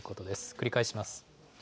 繰り返します。